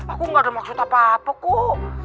aku gak ada maksud apa apa kok